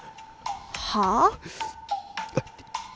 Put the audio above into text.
はあ？